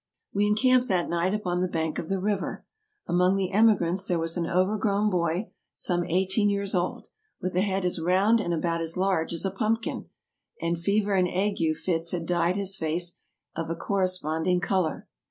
We encamped that night upon the bank of the river. Among the emigrants there was an overgrown boy, some eighteen years old, with a head as round and about as large as a pumpkin, and fever and ague fits had dyed his face of a corresponding color.